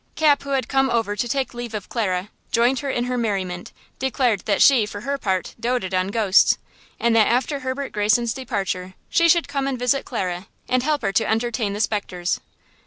Cap, who had come over to take leave of Clara, joined her in her merriment, declared that she, for her part, doted on ghosts, and that after Herbert Greyson's departure she should come and visit Clara and help her to entertain the specters.